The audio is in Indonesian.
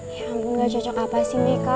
ya ampun gak cocok apa sih micha